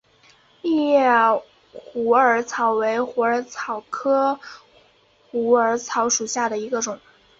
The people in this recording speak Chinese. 异叶虎耳草为虎耳草科虎耳草属下的一个种。